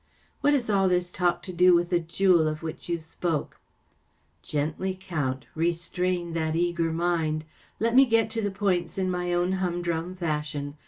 ‚ÄĚ 44 What has all this talk to do with the jewel of which you spoke ? ‚ÄĚ 44 Gently, Count. Restrain that eager mind ! Let me get to the points in my own humdrum fashion.